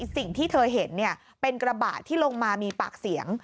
สิ่งที่เธอเห็นเป็นกระบะที่ลงมามีปากเสียง